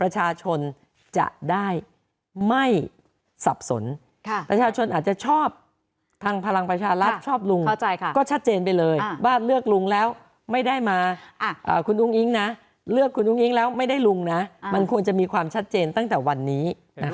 ประชาชนจะได้ไม่สับสนประชาชนอาจจะชอบทางพลังประชารัฐชอบลุงก็ชัดเจนไปเลยว่าเลือกลุงแล้วไม่ได้มาคุณอุ้งอิ๊งนะเลือกคุณอุ้งอิงแล้วไม่ได้ลุงนะมันควรจะมีความชัดเจนตั้งแต่วันนี้